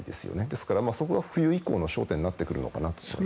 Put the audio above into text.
ですからそこが冬以降の焦点になってくると思います。